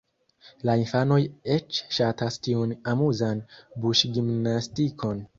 La infanoj eĉ ŝatas tiun amuzan buŝgimnastikon.